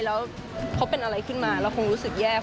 แล้วเขาเป็นอะไรขึ้นมาเราคงรู้สึกแย่